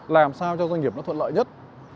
làm sao cho doanh nghiệp nó thuận lợi nhất